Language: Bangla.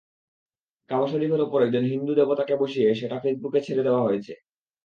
কাবা শরিফের ওপর একজন হিন্দু দেবতাকে বসিয়ে সেটা ফেসবুকে ছেড়ে দেওয়া হয়েছে।